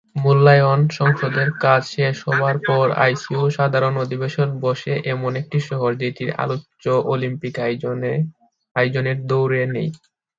মূল্যায়ন সংসদের কাজ শেষ হবার পর, আইওসির সাধারণ অধিবেশন বসে এমন একটি শহরে যেটি আলোচ্য অলিম্পিক আয়োজনের দৌড়ে নেই।